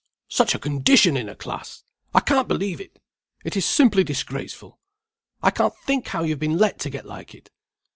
"Such a condition in a class, I can't believe it! It is simply disgraceful! I can't think how you have been let to get like it!